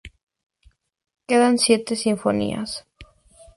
Quedan siete sinfonías.